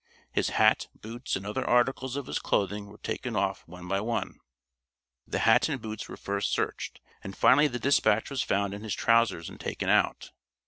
His hat, boots, and other articles of his clothing were taken off one by one. The hat and boots were first searched, and finally the dispatch was found in his trousers and taken out.